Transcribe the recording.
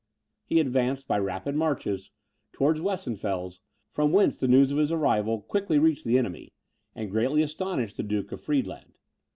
He advanced, by rapid marches, towards Weissenfels, from whence the news of his arrival quickly reached the enemy, and greatly astonished the Duke of Friedland.